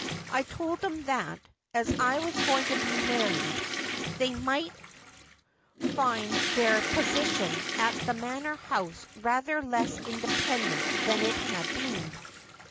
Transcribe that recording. I told them that, as I was going to be 350 Just as 1 Am. married, they might find their position at the Manor House rather less independent than it had been.'